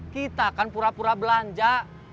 kita kan pura pura belanja